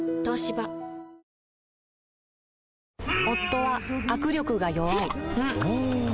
夫は握力が弱い